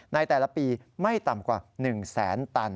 ในแต่ละปีไม่ต่ำกว่า๑แสนตัน